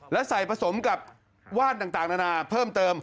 และใส่ผสมกับว่านต่างนานาเพิ่มเติม